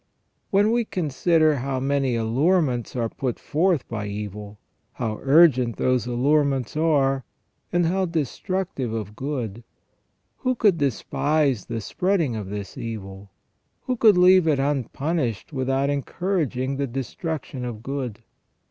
When we consider how many allurements are put forth by evil, how urgent those allurements are, and how destructive of good, who could despise the spreading of ON PENAL EVIL OR PUNISHMENT. 235 this evil ? who could leave it unpunished without encouraging the destruction of good